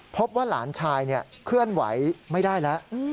พบว่าหลานชายเคลื่อนไหวไม่ได้แล้ว